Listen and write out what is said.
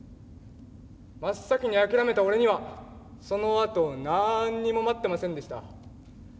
真っ先に諦めた俺にはそのあとなんにも待ってませんでした。